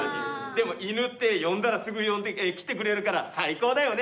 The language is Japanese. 「でも犬って呼んだらすぐ来てくれるから最高だよね」。